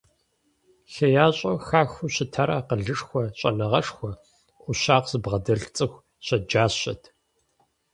ХеящӀэу хахыу щытар акъылышхуэ, щӀэныгъэшхуэ. Ӏущагъ зыбгъэдэлъ цӀыху щэджащэт.